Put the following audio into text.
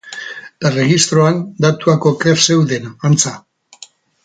Erregistroan datuak oker zeuden, antza.